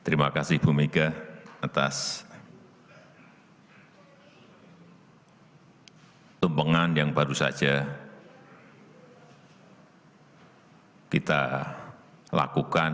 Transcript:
terima kasih ibu mega atas tumpengan yang baru saja kita lakukan